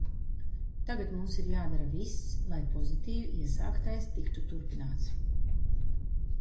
Tagad mums ir jādara viss, lai pozitīvi iesāktais tiktu turpināts.